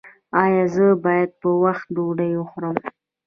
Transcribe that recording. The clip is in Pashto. ایا زه باید په وخت ډوډۍ وخورم؟